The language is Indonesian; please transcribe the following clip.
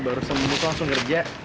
baru sembuh langsung kerja